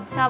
cho bố mẹ